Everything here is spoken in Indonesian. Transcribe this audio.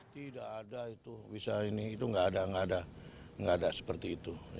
tidak ada itu bisa ini itu gak ada gak ada gak ada seperti itu